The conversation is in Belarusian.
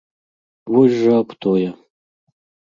Вось жа аб тое.